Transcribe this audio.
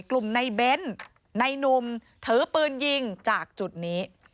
กลุ่มนายเบ้นนายหนุ่มเถอะปืนยิงจากจุดนี้